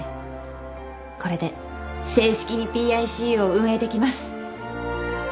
これで正式にＰＩＣＵを運営できます。